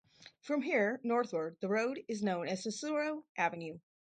From here northward the road is known as Cicero Avenue.